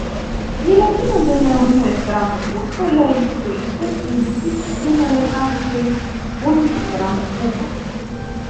Je la fino de la unua Esperanto-kurso la instruisto invitis siajn lernantojn fondi Esperanto-klubon.